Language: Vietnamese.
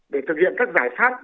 để thực hiện các giải pháp